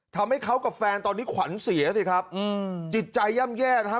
ทำให้เขากับแฟนตอนนี้ขวัญเสียสิครับจิตใจย่ำแย่นะฮะ